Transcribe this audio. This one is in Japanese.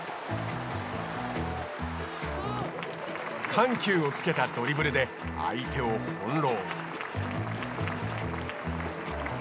緩急をつけたドリブルで相手を翻弄。